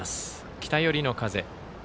北寄りの風。